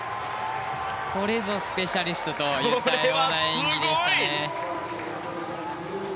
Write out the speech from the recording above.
これぞスペシャリストといった演技でしたね。